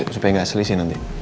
supaya gak asli sih nanti